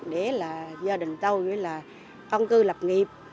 để là gia đình tao với là ong cư lập nghiệp